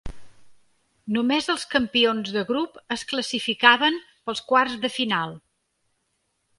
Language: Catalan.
Només els campions de grup es classificaven pels quarts de final.